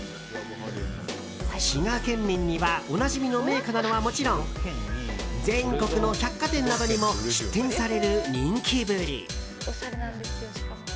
滋賀県民にはおなじみの銘菓なのはもちろん全国の百貨店などにも出店される人気ぶり。